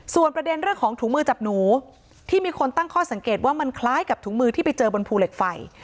ส่วนประเด็นเรื่องของถุงมือจับหนูที่มีคนตั้งข้อสังเกตว่ามันคล้ายกับถุงมือที่ไปเจอบนภูเหล็กไฟ